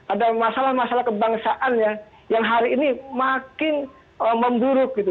ada masalah masalah kebangsaan yang hari ini makin memburuk gitu